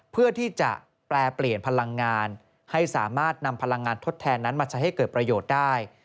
เพื่อที่จะแปรเปลี่ยนพลังงานให้สามารถนำพลังงานทดแทนนั้นมาใช้ให้เกิดประโยชน์ได้